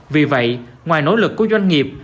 vì vậy ngoài nỗ lực của doanh nghiệp